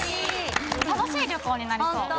楽しい旅行になりそう。